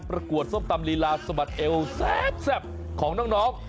ประกวดส้มตำลีลาสะบัดเอวแซ่บของน้อง